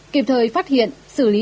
ba kiểm thời phát hiện xử lý